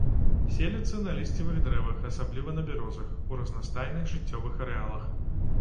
Селіцца на лісцевых дрэвах, асабліва на бярозах, ў разнастайных жыццёвых арэалах.